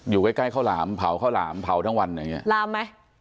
อยู่ใกล้ข้าวหลามเผาข้าวหลามเผาทั้งวันอย่างเงี้หลามไหม